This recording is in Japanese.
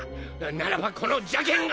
ならばこの邪見が。